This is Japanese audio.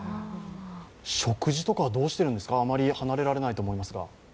食事とかはどうしてるんですか、あまり離れられないと思いますが。